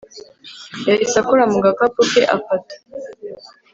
yahise akora mu gakapu ke afata